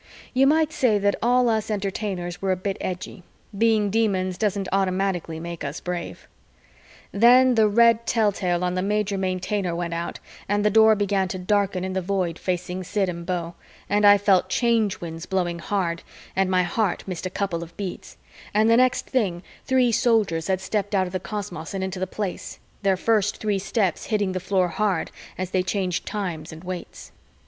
You might say that all us Entertainers were a bit edgy; being Demons doesn't automatically make us brave. Then the red telltale on the Major Maintainer went out and the Door began to darken in the Void facing Sid and Beau, and I felt Change Winds blowing hard and my heart missed a couple of beats, and the next thing three Soldiers had stepped out of the cosmos and into the Place, their first three steps hitting the floor hard as they changed times and weights.